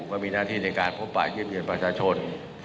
มันมีหน้าที่ในการพบปากเย็นประชาชน